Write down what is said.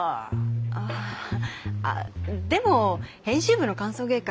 ああでも編集部の歓送迎会